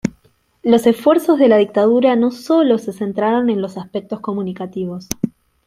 Los esfuerzos de la dictadura no sólo se centraron en los aspectos comunicativos.